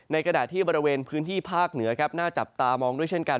กระดาษที่บริเวณพื้นที่ภาคเหนือครับน่าจับตามองด้วยเช่นกัน